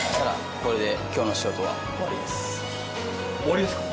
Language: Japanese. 終わりですか？